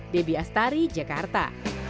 debi astari jakarta